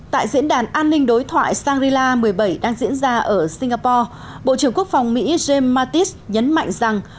tại diễn đàn an ninh đối thoại shangri la một mươi bảy đang diễn ra ở singapore bộ trưởng quốc phòng mỹ james mattis nhấn mạnh rằng